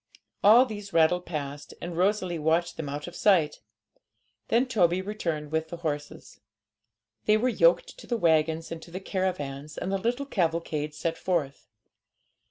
All these rattled past, and Rosalie watched them out of sight. Then Toby returned with the horses; they were yoked to the waggons and to the caravans, and the little cavalcade set forth.